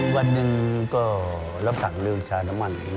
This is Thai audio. วันหนึ่งก็รับสั่งเรื่องชาน้ำมัน